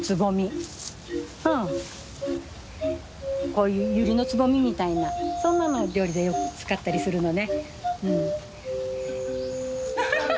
こうユリのつぼみみたいなそんなのを料理でよく使ったりするのねうん。